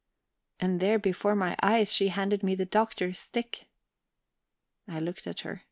And there before my eyes she handed me the Doctor's stick. I looked at her.